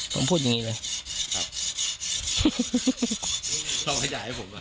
ผมพูดอย่างนี้เลย